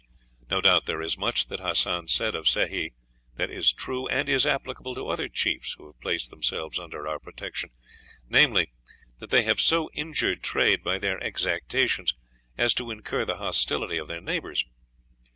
No doubt there is much that Hassan said of Sehi that is true and is applicable to other chiefs who have placed themselves under our protection namely, that they have so injured trade by their exactions as to incur the hostility of their neighbors.